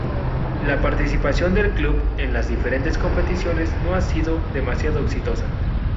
La participación del club en las diferentes competiciones no ha sido demasiado exitosa.